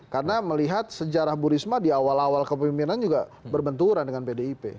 karena melihat sejarah bu risma di awal awal kepemimpinan juga berbenturan dengan pdip